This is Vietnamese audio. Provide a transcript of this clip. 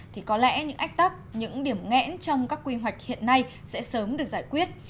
thì có lẽ những ách tắc những điểm ngẽn trong các quy hoạch hiện nay sẽ sớm được giải quyết